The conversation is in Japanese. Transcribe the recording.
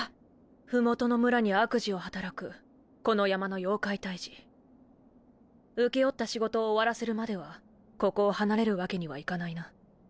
ふもとの村に悪事を働くこの山の妖怪退治請け負った仕事を終わらせるまではここを離れるわけにはいかないな。